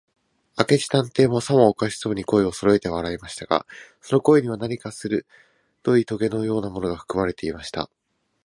明智探偵も、さもおかしそうに、声をそろえて笑いましたが、その声には、何かするどいとげのようなものがふくまれていました。